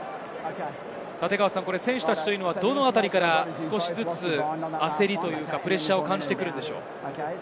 選手たちはどのあたりから少しずつ焦りというか、プレッシャーを感じてくるのでしょうか？